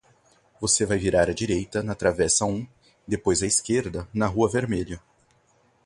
Você vai virar à direita, na Travessa um, depois à esquerda na Rua Vermelha.